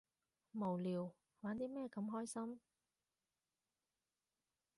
無聊，玩啲咩咁開心？